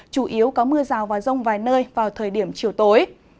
chủ yếu có mưa rào và rông vài nơi vào thời điểm chiều tối